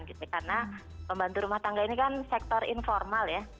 karena pembantu rumah tangga ini kan sektor informal ya